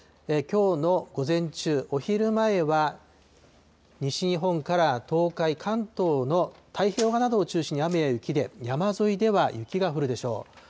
きょうの午前中、お昼前は、西日本から東海、関東の太平洋側などを中心に雨や雪で、山沿いでは雪が降るでしょう。